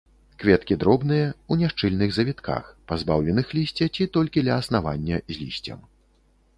Кветкі дробныя, у няшчыльных завітках, пазбаўленых лісця ці толькі ля аснавання з лісцем.